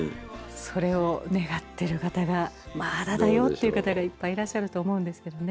それを願ってる方が「まあだだよ」っていう方がいっぱいいらっしゃると思うんですけどね。